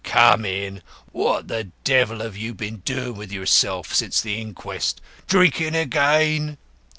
"Come in. What the devil have you been doing with yourself since the inquest? Drinking again?"